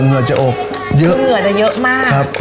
แล้วก็หลังว่าเหงื่อจะอบเยอะ